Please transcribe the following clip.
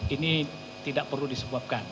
ini tidak perlu disebabkan